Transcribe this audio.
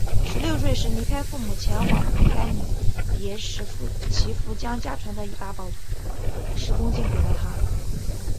十六岁时离开父母前往蒲甘临别时其父将家传的一把宝石弓箭给了他。